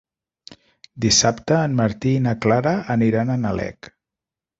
Dissabte en Martí i na Clara aniran a Nalec.